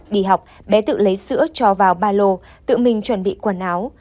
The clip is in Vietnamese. đi học bé tự lấy sữa cho vào ba lô tự mình chuẩn bị quần áo